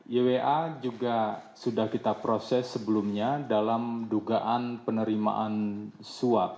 ywa juga sudah kita proses sebelumnya dalam dugaan penerimaan suap